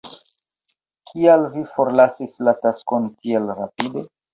Kial vi forlasis la taskon tiel rapide?